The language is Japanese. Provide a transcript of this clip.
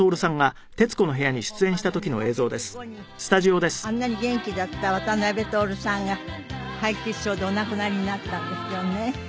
今の本番の２カ月後にあんなに元気だった渡辺徹さんが敗血症でお亡くなりになったんですよね。